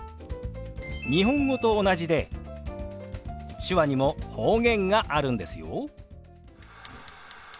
日本語と同じで手話にも方言があるんですよ。